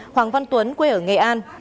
hoàng văn tuấn quê ở nghệ an